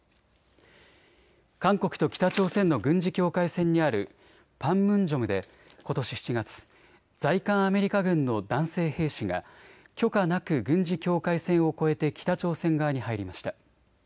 韓国と北朝鮮の軍事境界線にあるパンムンジョムでことし７月、在韓アメリカ軍の男性兵士が許可なく軍事境界線を越えて北朝鮮側に入りました。